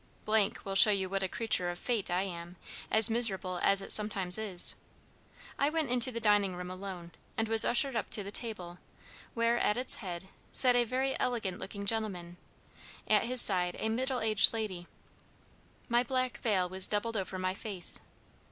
will show you what a creature of fate I am, as miserable as it sometimes is. I went into the dining room alone; and was ushered up to the table, where, at its head, sat a very elegant looking gentleman at his side a middle aged lady. My black veil was doubled over my face.